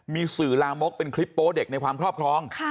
มีสื่อลามกเป็นคลิปโป๊เด็กในความครอบครอง